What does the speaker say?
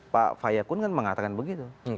pak faya kun kan mengatakan begitu